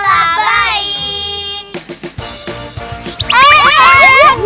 alah syari'a ala habai